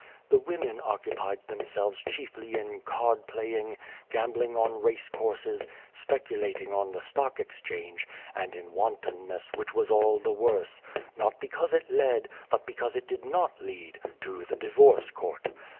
The women occupied them selves chiefly in card playing, gambling on race courses, speculating on the Stock Exchange, and in wantonness which was all the worse 262 Without a Child not because it led, but because it did not lead, to the Divorce Court.